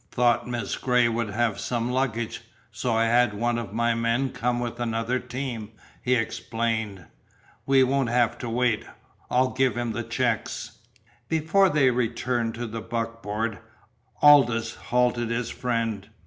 "Thought Miss Gray would have some luggage, so I had one of my men come with another team," he explained. "We won't have to wait. I'll give him the checks." Before they returned to the buckboard, Aldous halted his friend.